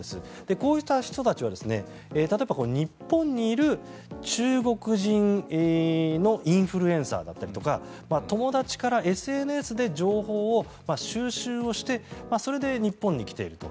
こうした人たちは例えば日本にいる、中国人のインフルエンサーだったりとか友達からＳＮＳで情報を収集してそれで日本に来ていると。